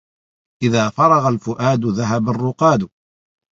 إذا فرغ الفؤاد ذهب الرقاد